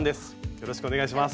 よろしくお願いします。